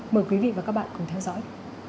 mời quý vị và các bạn cùng theo dõi